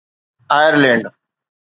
Ireland